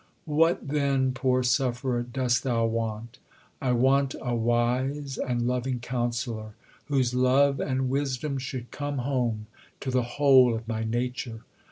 What then, poor sufferer, dost thou want? I want a wise and loving counsellor, whose love and wisdom should come home to the whole of my nature.